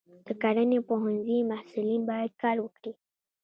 د کرنې پوهنځي محصلین باید کار وکړي.